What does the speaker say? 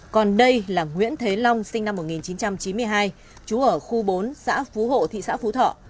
còn đây là nguyễn thế long sinh năm một nghìn chín trăm chín mươi hai trú ở khu bốn xã phú hộ thị xã phú thọ